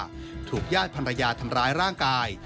ความว่าถูกยาดภรรยาทำร้ายร่างกาย